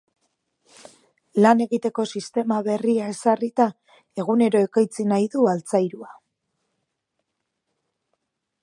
Lan egiteko sistema berria ezarrita, egunero ekoitzi nahi du altzairua.